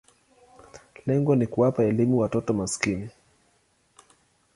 Lengo ni kuwapa elimu watoto maskini.